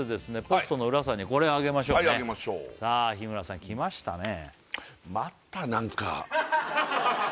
ポストの裏さんにはこれあげましょうねさあ日村さんきましたね